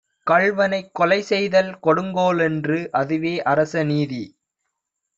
கள்வனைக் கொலை செய்தல் கொடுங்கோலன்று, அதுவே அரச நீதி